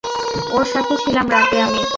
ওর সাথে ছিলাম রাতে আমি।